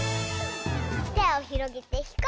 てをひろげてひこうき！